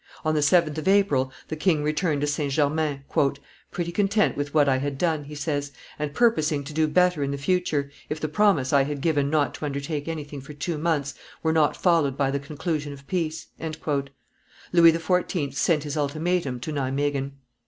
On the 7th of April the king returned to St. Germain, "pretty content with what I had done," he says, "and purposing to do better in the future, if the promise I had given not to undertake anything for two months were not followed by the conclusion of peace." Louis XIV. sent his ultimatum to Nimeguen.